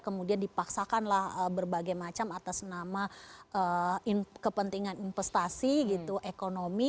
kemudian dipaksakanlah berbagai macam atas nama kepentingan investasi gitu ekonomi